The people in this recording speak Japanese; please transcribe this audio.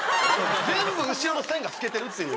全部後ろの線が透けてるっていう。